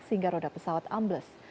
sehingga roda pesawat ambles